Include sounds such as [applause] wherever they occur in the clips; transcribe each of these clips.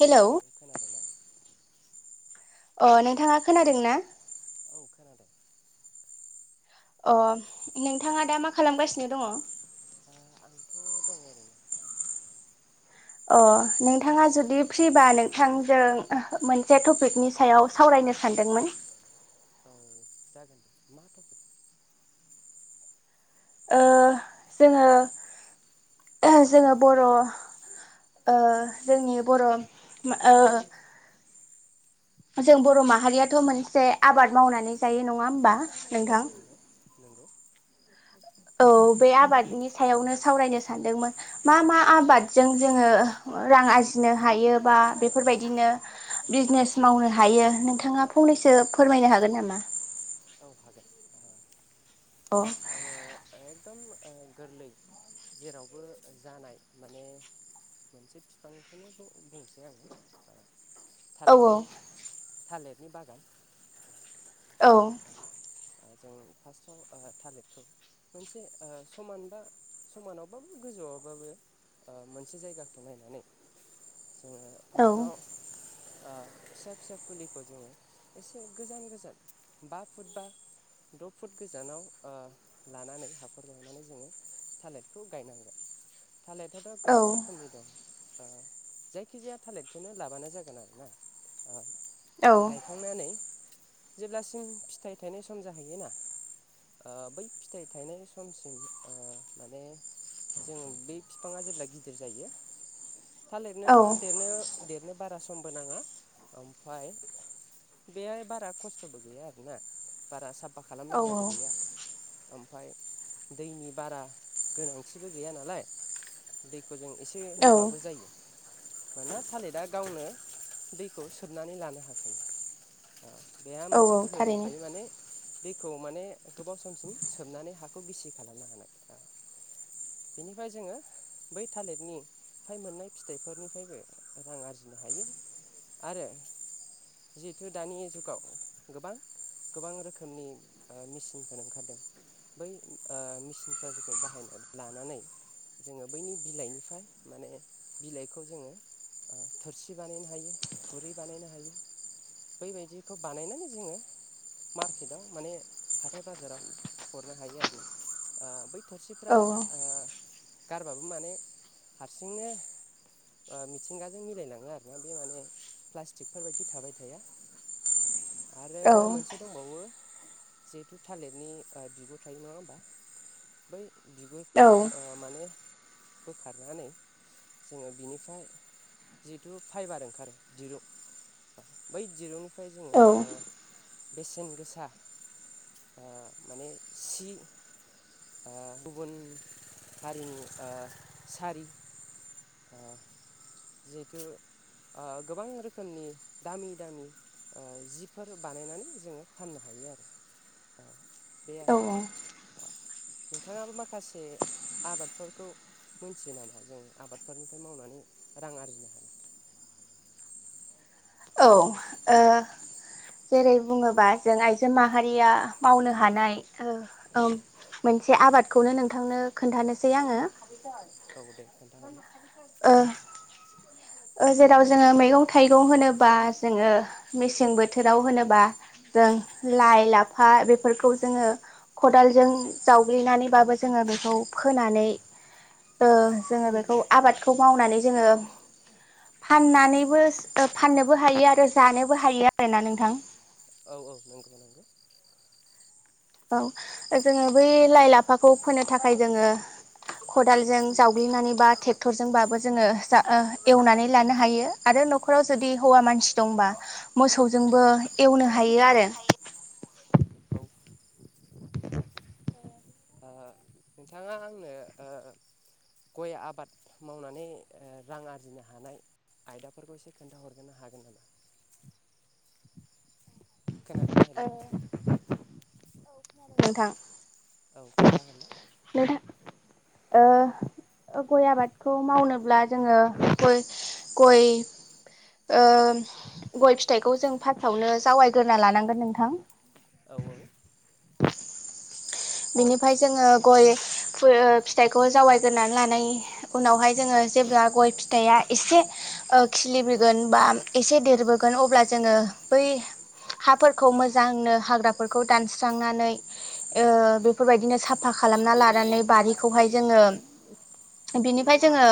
Hello नों खोनादोंना अ नोंथाङा खोनादों ना औ खोनादों अ नोंथाङा दा मा खालामगासिनो दङ ओ आंथ' दङ ओरैनो अ नोंथाङा जुदि फ्रिबा नोंथांजों मोनसे टपिकनि सायाव सावरायनो सानदोंमोन औ जागोन दे मा टपिक ओ जोङो जोङो बर' ओ जोंनि बर' ओ जों बर' माहारियाथ मोनसे आबाद मावनानै जायो नङा होमबा औ नोंथां नंगौ नंगौ औ बे आबादनि सायावनो सावरायनो सानदोंमोन मा मा आबादजों जोङो रां आरजिनो हायो बा बेफोरबायदिनो बिजनेस मावनो हायो नोंथाङा फंनैसो फोरमायनो हागोन नामा औ हागोन अ आङो एकदम गोरलै जेरावबो जानाय माने मोनसे बिफांखौनो बुंनोसै आङो थालिरनि औ थालिरनि बागान औ जों फार्सटाव थालिरखौ मोनसे ओ समान बा समानावबाबो गोजौआवबाबो मोनसे जायगाखौ नायनानै जोङो औ फास्टआव फिसा फिसा फुलिखौ जोङो एसे गोजान गोजान बा फुट बा द' फुट गोजानाव ओ‌ लानानै हाखर जावनानै जोङो थालिरखौ गायनांगोन। थालिरथ'थ' औ गोबां रोखोमनि दं जायखिजाया थालिरखौनो लाबानो जागोन आरो ना गायखांनानै जेब्ला सिम फिथाइ थायनाय सम जाहैयोना ओ बै फिथाइ थायनाय समसिम ओ माने जोङो बै बिफाङा जेब्ला गिदिर जायो औ थालिरनोथ' देरनो देरनो बा रा समबो नाङा ओमफफ्राय बेहाय बारा खस्थ'बो गैया आरो ना बारा साब फा खालामनांगौबो गैया ओमफाय दैनि बारा गोनांथिबो गैया नालाय दै खौ‌ जों एसे औ होबाबो जायो मानोना थालिरा दा गावनो दैखौ सोबनानै लानो हाखायो औ बेहा मोनसे औ औ गोहो थारैनो दंखायो माने दैखौ माने गोबाव समसिम सोबनानै हाखौ गिसि खालामनो हानाय बेनिफ्राय जोङो बै थालिरनिफ्राय मोननाय फिथाइफोरनिफ्रायबो रां आरजिनो हायो आरो जिहेथु दानि जुगाव गोबां गोबां रोखोमनि मेसिनफोर ओंखारदों बै ओ मेसिनफोरखौ बाहायना लानानै जोङो बैनि बिलाइनिफ्राय माने बिलाइखौ जोङो थोरसि बानायनो हायो खुरै बानायनो हायो बैबायदिखौ बानायनानै जोङो मारकेटाव माने हाथाय बाजाराव हरनो हायो आरोना आ बै थोरसिफ्रा औ आ गारबाबो माने हारसिंनो ओ मिथिंगाजों मिलायलाङो आरोना बे माने प्लास्टिकफोरबायदि थाबाय थाया आरो औ औ मोनसे दंबावो जिहेथु थालिरनि बिगुर थायो नङा होमबा बै बिगुरखौ ओ‌ माने बोखारनानै जोङो बिनिफ्राय जिहेथु फाइबार ओंखारो दिरुं बै दिरुं निफ्राय जोङो बेसेन गोसा ओ माने सि आ गुबुन हारिनि ओ सारि जिहेथु ओ गोबां रोखोमनि दामि दामि ओ जिब फोर बानायनानै जोङो फाननो हायो आरो औ बे आरो ना नोंथाङाबो माखासे आबादफोरखौ मोनथियो नामा जों आबादफोरनिफ्राय मावनानै रां आरजिनो हानाय औ ओ जेरै बुङोबा जों आइजो माहारिया मावनो हानाय ओ मोनसे आबादखौनो नोंथांनो खोन्थानोसै आङो औ दे खोन्थाहरलाय ओ ओ जेराव जोङो मैगं थाइगं होनोबा जोङो मेसें बोथोराव होनोबा जों लाइ लाफा बेफोरखौ जोङो खदालजों जावग्लिनानैबाबो जोङो बेखौ फोनानै ओ जोङो बेखौ आबाद खौ मावनानै जोङो फाननानैबो फाननोबो हायो आरो जानोबो हायो आरोना नोंथां। औ औ नंगौ नंगौ। औ जोङो बै लाइ लाफाखौ फोनो थाखाय जोङो खदालजों जावग्लिनानै बा ट्रेक्टरजोंबाबो जोङो जा एवनानै लानो हायो आरो न'खराव जुदि हौवा मानसि दंबा औ मोसौजोंबो एवनो हायो आरो औ ओ नोंथाङा आंनो ओ गय आबाद मावनानै रां आरजिनो हानाय आयदाफोरखौ एसे खोन्था हरग्रोनो हागोन नामा? खोनादोना ओ हेल'। नोंथां। औ खोन्थाहर। ओ ओ गय आबादखौ मावनोब्ला जोङो गय गय ओ गय फिथाइखौ जों फार्स्टआवनो जावायग्रोना लानांगोन नोंथां। औ औ। बिनिफ्राय जोङो गय फु ओ फिथाइखौ जावैग्रोनानै लानाय उनावहाय जोङो जेब्ला गय फिथाइया एसे ओ खिलिबोगोन बा एसे देरबोगोन अब्ला जोङो बै हाफोरखौ मोजांनो हाग्राफोरखौ दानस्रांनानै ओ बेफोरबायदिनो साफा खालामना लानानै बारिखौहाय जोङो बिनिफ्राय जोङो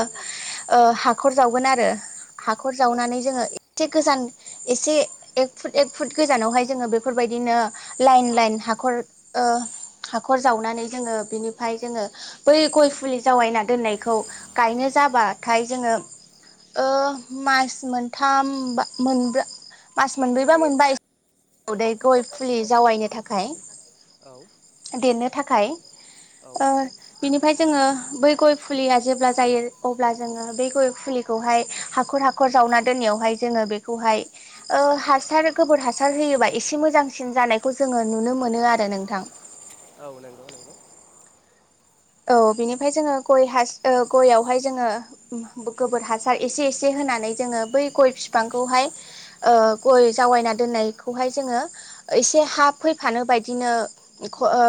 हाखर ओ जावगोन आरो। हाखर औ जावनानै जोङो ए से गोजान एसे एक फुट एक फुट गोजानावहाय जोङो बेफोरबायदिनो लाइन लाइन हाखर ओ हाखर जावनानै जोङो बिनिफ्राय जोङो बै गय फुलि जावैना दोननायखौ गायनो जाबाथाय जोङो ओ मास मोनथाम बा मोनब्र मास मोनब्रैबा मोनबा उदै गय फुलि जावायनो थाखाय। देरनो थाख खाय औ ओ‌ बिनिफ्राय जोङो बै गय फुलिया जेब्ला जायो अब्ला जोङो बे गय फुलिखौहाय हाखर हाखर जावना दोननायावहाय जोङो बेखौहाय ओ हासार गोबोर हासार हासार होयोबा एसे मोजांसिन जानायखौ जोङो नुनो मोनो आरो नोंथां। औ नंगौ नंगौ। औ बिनिफ्राय जोङो गय हास ओ गयावहाय जोङो गोबोर हासार एसे एसे होनानै जोङो बै गय बिफांखौहाय ओ गय जावायना दोननायखौहाय जोङो एसे हा फैफानो बायदिनो ख ओ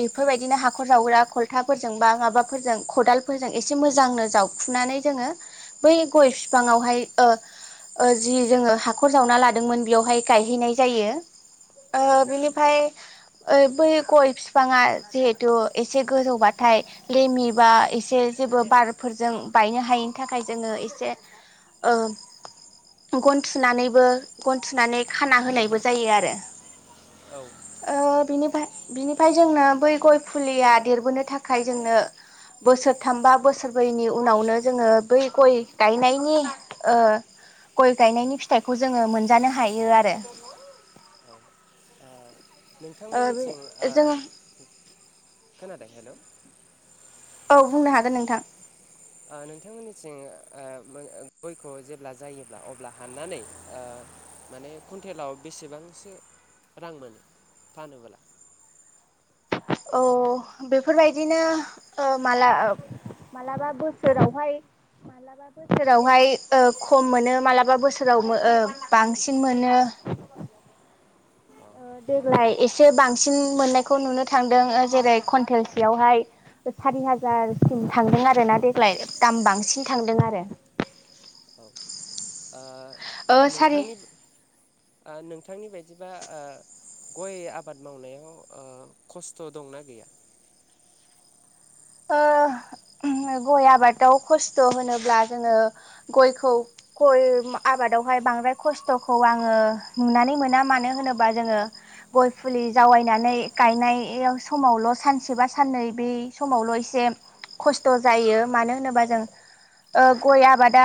बेफोरबायदिनो हाखर जावग्रा खल थाफोरजों बा माबाफोरजों खदालफोरजों एसे मोजांनो जावखुनानै जोङो बै गय बिफांआवहाय ओ ओ जि जोङो हाखर जावना लादोंमोन बेयावहाय गायहैनाय जायो। औ ओ बिनिफाय ओइ बै गय बिफाङा जिहेथु एसे गोजौबाथाय लेमि बा एसे जेबो बारफोरजों बायनो हायैनि थाखाय जोङो एसे ओ गन थुनानैबो गन थुनानै खाना होनायबो जायो आरो। औ ओ ओ बिनिफ फाय बिनिफाय जोंना बै गय फुलिया देरबोनो थाखाय जोंनो बोसोरथाम बा बोसोरब्रैनि उनावनो जोङो बै गय गायनायनि ओ गय गायनायनि फिथाइखौ जोङो मोनजानो हायो आरो। ओ नोंथांमोननिथिं ओ जों खोनादों हेलौ औ बुंनो हागोन नोंथां। ओ नोंथांमोननिथिं ओ बो गयखौ जेब्ला जायोब्ला अब्ला हाननानै ओ माने कुन्टेलाव बेसेबांसो रां मोनो फानोब्ला? औ बेफोरबायदिनो ओ माला मालाबा बोसोरावहाय मालाबा बोसोरावहाय ओ खम मोनो मालाबा बोसोराव ओ बांसिन मोनो। औ ओ देग्लाय एसे बांसिन मोननायखौ नुनो थांदों ओ जेरै कुन्टेलसेयावहाय सारि हाजारसिम थांदों आरोना देग्लाय दाम बांसिन थांदों आरो। औ ओ ओ सारि नोंथांनि ओ नोंथा नोंथांनि बायदिबा ओ गय आबाद मावनायाव खस्थ' दंना गैया? ओ गय आबादाव खस्थ' होनोब्ला जोङो गयखौ गय आबादावहाय बांद्राय खस्थ'खौ आङो नुनानै मोना मानो होनोबा जोङो गय फुलि जावायनानै गायनायाव समावल' सानसेबा साननै बे समावल' एसे खस्थ' जायो मानो होनोबा जों ओ गय आबादा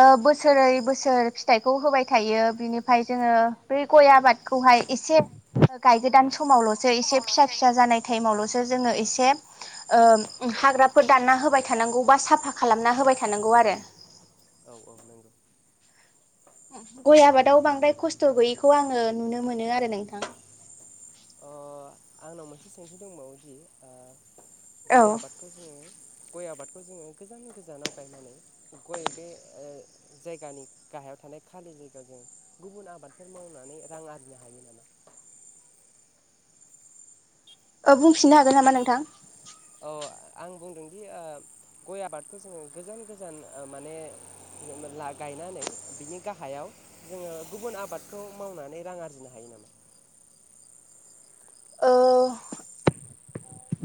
ओ बोसोरै बोसोर फिथाइखौ होबाय थायो बिनिफ्राय जोङो ब गय आबादखौहाय एसे गायगोदान समावल' सो एसे फिसा फिसा जानाय टाइमावल'स जोङो एसे ओ हाग्राफोर दानना होबाय थानांगौ बा साफा खालामना होबाय थानांगौ आरो। औ औ नंगौ। गय आबादाव बांद्राय खस्थ' गैयिखौ आङो नुनो मोनो आरो नोंथां। अ आंनाव मोनसे सोंथि दंबावोदि ओ गय औ आबादखौ जोङो गय आबादखौ जोङो गोजान गोजानाव गायनानै गय बे जायगानि गाहायाव थानाय खालि जायगायाव जों गुबुन आबादफोर मावनानै रां आरजिनो हायो नामा औ बुंफिननो हागोन नामा नोंथां अ आं बुंदोंदि ओ गय आबादखौ जोङो गोजोन गोजान माने ला गायनानै बिनि गाहायाव जोङो गुबुन आबादखौ मावनानै रां आरजिनो हायो नामा? ओ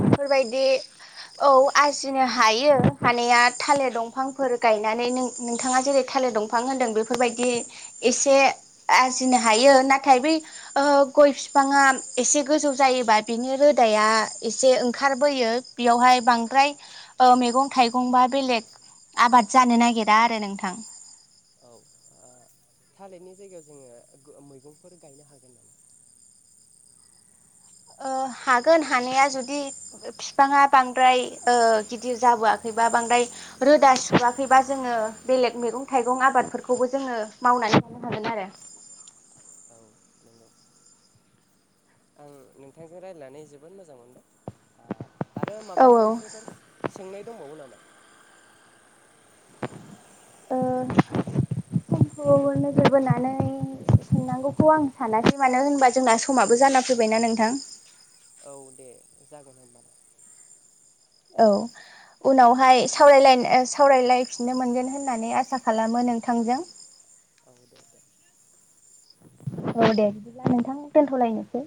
बेफोरबायदि औ आरजिनो हायो हानाया थालिर दंफांफोर गायनानै नों नोंथाङा जेरै थालिर दंफां होन्दों बेफोरबायदि एसे आरजिनो हायो। नाथाय बै ओ गय बिफाङा एसे गोजौ जायोबा बिनि रोदाया एसे ओं खारबोयो बेयावहाय बांद्राय ओ मैगं थाइगं बा बेलेग आबाद जानो नागिरा आरो नोंथां। औ ओ थालिरनि जायगायाव जोङो गो मैगंफोर गायनो हागोन नामा? ओ हागोन हानाया जुदि बिफाङा बांद्राय ओ गिदिर जाबोआखैबा बांद्राय रोदा सुवाखैबा जोङो बेलेग मैगं-थाइगं आबादफोरखौबो जोङो मावनानै थानो हागोन आरो। औ नंगौ आं नोंथांजों रायलायनानै जोबोद मोजां मोनबाय। आ आरो माबा औ मोनसेफोर सो सोंनो दंबावो नामा? ओ समखौ नोजोर बोनानै सोंनांगौखौ आं सानासै मानो होनबा जोंना समाबो जाना फैबायना नोंथां। औ दे जागोन होमबालाय। औ उनावहाय सावरायलायन ओ सावरायलायफिननो मोनगोन होननानै आसा खालामो नोंथांजों। [inaudible] औ दे बिदिब्ला नोंथां दोनथ'लायनोसै।